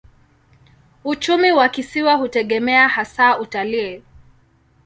Uchumi wa kisiwa hutegemea hasa utalii.